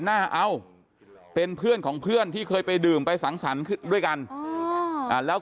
หน้าเอ้าเป็นเพื่อนของเพื่อนที่เคยไปดื่มไปสังสรรค์ด้วยกันแล้ว